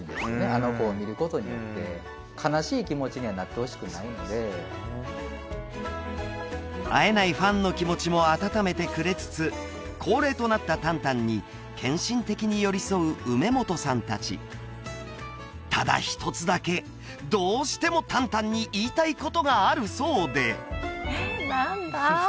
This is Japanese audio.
あの子を見ることによって悲しい気持ちにはなってほしくないので会えないファンの気持ちも温めてくれつつ高齢となった旦旦に献身的に寄り添う梅元さん達ただ一つだけどうしても旦旦に言いたいことがあるそうでえっ何だ？